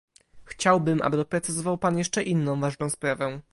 Chciałbym, aby doprecyzował pan jeszcze inną ważną sprawę